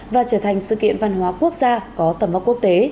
và trở thành sự kiện văn hóa quốc gia có tầm văn hóa